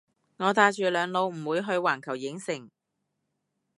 我帶住兩老唔會去環球影城